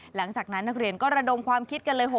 หลังจากนั้นนักเรียนก็ระดมความคิดกันเลย